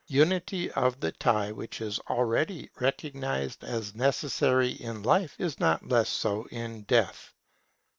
Unity of the tie which is already recognized as necessary in life, is not less so in death.